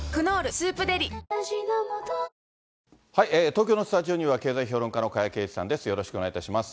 東京のスタジオには、経済評論家の加谷珪一さんです。